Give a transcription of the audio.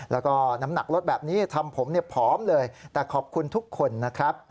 แล้วก็น้ำหนักลดแบบนี้ทำผมผอมเลยแต่ขอบคุณทุกคนนะครับ